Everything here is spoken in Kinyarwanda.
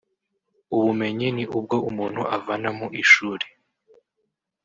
ubumenyi ni ubwo umuntu avana mu ishuri